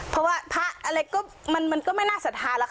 เพราะว่าพลาดอะไรก็มันมันก็ไม่น่าสะทานแล้ว